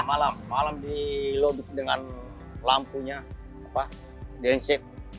malam malam di lodut dengan lampunya di lensit